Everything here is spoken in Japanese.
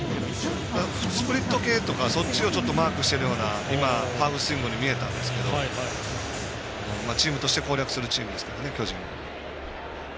スプリット系とかそっちをマークしているようなハーフスイングに見えたんですがチームとして攻略するチームですから巨人は。